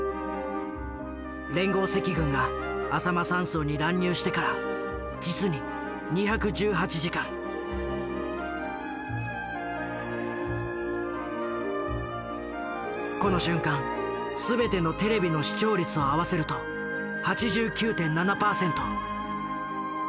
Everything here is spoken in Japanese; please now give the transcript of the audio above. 連合赤軍があさま山荘に乱入してから実にこの瞬間全てのテレビの視聴率を合わせると８９．７％。